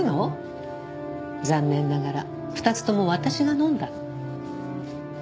残念ながら２つとも私が飲んだの。